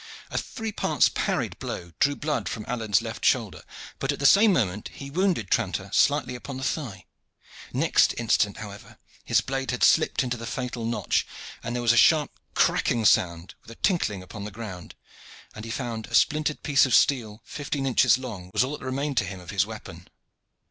A three parts parried blow drew blood from Alleyne's left shoulder, but at the same moment he wounded Tranter slightly upon the thigh. Next instant, however, his blade had slipped into the fatal notch, there was a sharp cracking sound with a tinkling upon the ground, and he found a splintered piece of steel fifteen inches long was all that remained to him of his weapon.